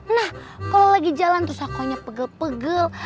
nah kalau lagi jalan terus akunya pegel pegel